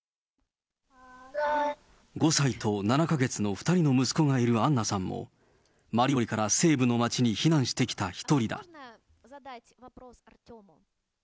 ５歳と７か月の２人の息子がいるアンナさんも、マリウポリから西部の町に避難してきた１人だ。